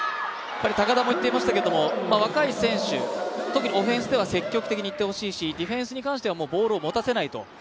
高田も言っていましたけど若い選手特にオフェンスでは積極的にいってほしいしディフェンスに関してはもうボールを持たせないと。